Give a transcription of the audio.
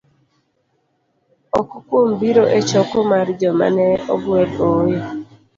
Ok kuom biro e choko mar joma ne ogwel, ooyo.